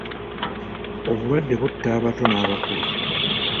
Obulwadde butta abato n'abakulu.